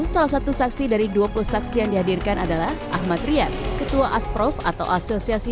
salah satu saksi dari dua puluh saksi yang dihadirkan adalah ahmad rian ketua asprof atau asosiasi